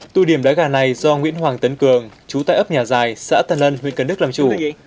tụ điểm đá gà này do nguyễn hoàng tấn cường chú tại ấp nhà dài xã tân ân huyện cần đức làm chủ